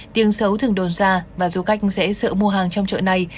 tiếng xấu thường đồn ra và du khách sẽ sợ mua hàng trong chợ này